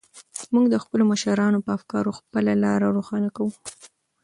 موږ د خپلو مشرانو په افکارو خپله لاره روښانه کوو.